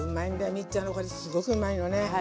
ミッちゃんのこれすごくうまいのね。